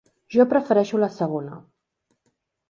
Jo prefereixo la segona.